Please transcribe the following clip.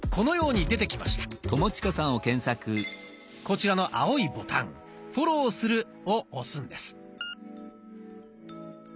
こちらの青いボタン「フォローする」を押すんです。